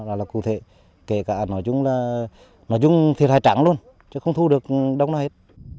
rất là cụ thể kể cả nói chung là nói chung thiệt hại trắng luôn chứ không thu được đông này hết